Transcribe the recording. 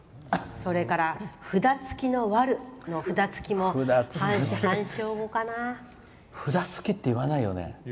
それから札付きの悪の札付きって言わないよね。